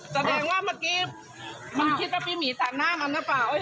แสดงว่าเมื่อกี้มันคิดว่าพี่หมีแต่งหน้ามันหรือเปล่า